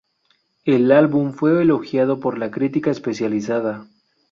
El álbum fue muy elogiado por la crítica especializada.